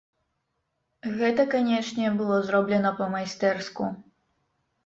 Гэта, канечне, было зроблена па-майстэрску.